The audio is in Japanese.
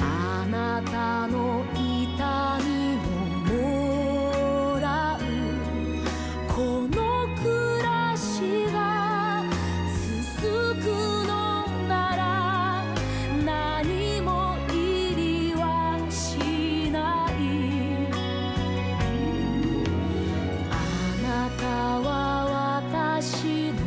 あなたの痛みももらうこの暮らしがつづくのなら何もいりはしないあなたは私の奇跡